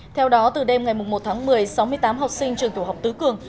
theo đó từ đêm ngày một tháng một mươi sáu mươi tám học sinh trường tiểu học tứ cường